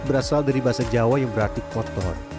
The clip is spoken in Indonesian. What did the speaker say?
berasal dari bahasa jawa yang berarti kotor